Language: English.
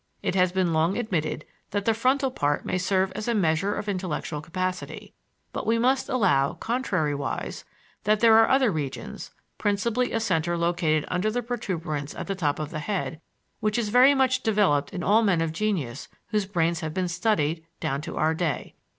It has been long admitted that the frontal part may serve as a measure of intellectual capacity; but we must allow, contrariwise, that there are other regions, "principally a center located under the protuberance at the top of the head, which is very much developed in all men of genius whose brains have been studied down to our day.